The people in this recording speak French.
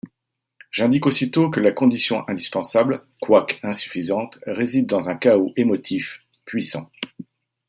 J'indique aussitôt que la condition indispensable, quoique insuffisante, réside dans un chaos émotif puissant.